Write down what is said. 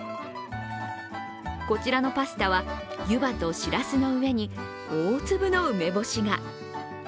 こちらのパスタは湯葉としらすの上に、大粒の梅干しが。